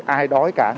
ai đói cả